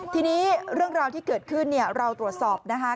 ทีนี้เรื่องราวที่เกิดขึ้นเนี่ยเราตรวจสอบนะคะ